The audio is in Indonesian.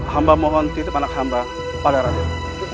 hamba mohon titip anak hamba pada rakyat